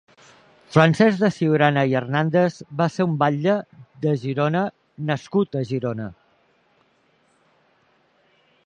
Francesc de Ciurana i Hernández va ser un batlle de Girona nascut a Girona.